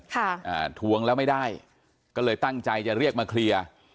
อ่าทวงแล้วไม่ได้ก็เลยตั้งใจจะเรียกมาเคลียร์